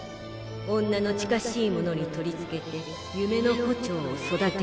女の近しい者に取り付けて夢の胡蝶を育てるのだ。